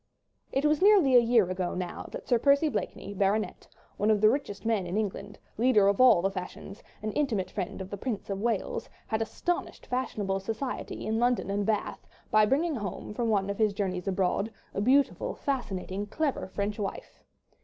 It was nearly a year ago now that Sir Percy Blakeney, Bart., one of the richest men in England, leader of all the fashions, and intimate friend of the Prince of Wales, had astonished fashionable society in London and Bath by bringing home, from one of his journeys abroad, a beautiful, fascinating, clever, French wife.